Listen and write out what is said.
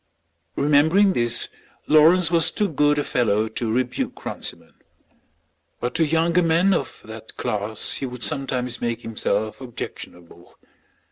Remembering this Lawrence was too good a fellow to rebuke Runciman; but to younger men of that class he would sometimes make himself objectionable.